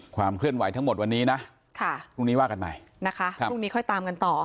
ความเคลื่อนไหวทั้งหมดวันนี้พรุ่งนี้ว่ากันใหม่